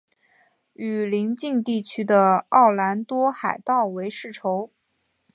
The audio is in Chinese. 与邻近地区的奥兰多海盗为世仇。